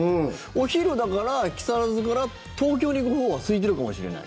お昼だから木更津から東京に行くほうはすいてるかもしれない。